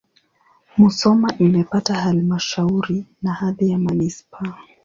Musoma imepata halmashauri na hadhi ya manisipaa.